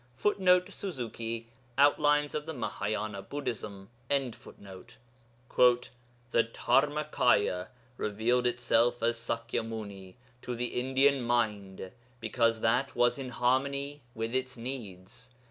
[Footnote: Suzuki, Outlines of the Mahâyâna Buddhism.] 'The Dharmakâya revealed itself as Sakya Muni to the Indian mind, because that was in harmony with its needs.